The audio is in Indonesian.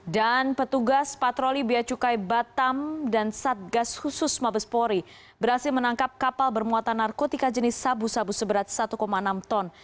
dan petugas patroli biacukai batam dan satgas khusus mabespori berhasil menangkap kapal bermuatan narkotika jenis sabu sabu seberat satu enam ton